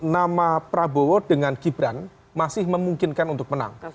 nama prabowo dengan gibran masih memungkinkan untuk menang